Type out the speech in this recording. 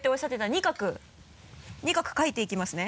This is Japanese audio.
２画書いていきますね。